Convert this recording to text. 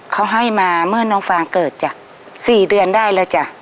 เขาให้มาเมื่อน้องฟางเกิดจ้ะ๔เดือนได้แล้วจ้ะ